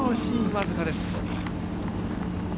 僅かです。